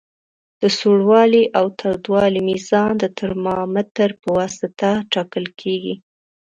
د سوړوالي او تودوالي میزان د ترمامتر پواسطه ټاکل کیږي.